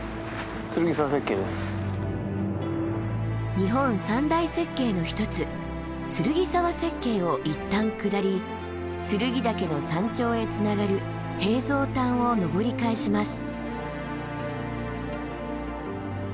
日本三大雪渓の一つ劔沢雪渓を一旦下り剱岳の山頂へつながる平蔵谷を登り返します。